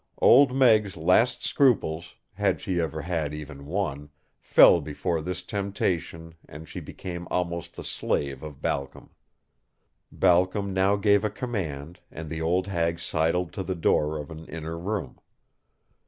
Old Meg's last scruples, had she ever had even one, fell before this temptation and she became almost the slave of Balcom. Balcom now gave a command and the old hag sidled to the door of an inner room.